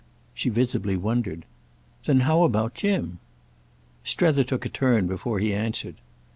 She visibly wondered. "Then how about Jim?" Strether took a turn before he answered.